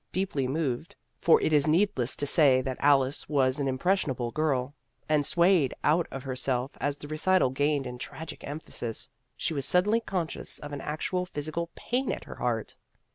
Deeply moved for it is needless to say that Alice was an im pressionable girl and swayed out of her self as the recital gained in tragic emphasis, she was suddenly conscious of an actual physical pain at her heart.